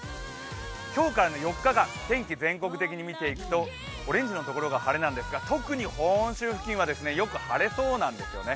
今日からの４日間、天気全国的に見ていくと、オレンジのところが晴れなんですが特に本州付近はよく晴れそうなんですね。